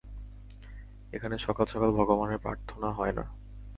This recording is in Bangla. এখানে সকাল সকাল ভগবানের পার্থনা হয় না।